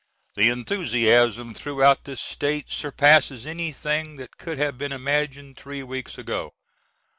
The enthusiasm throughout this state surpasses anything that could have been imagined three weeks ago.